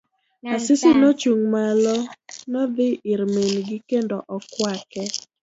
Asisi nochung' malo, nodhi ir min gi kendo okwake.